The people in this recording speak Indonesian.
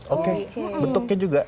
oke bentuknya juga